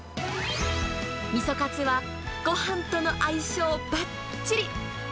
みそかつは、ごはんとの相性ばっちり。